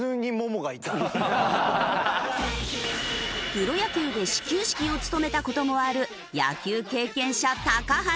プロ野球で始球式を務めた事もある野球経験者橋。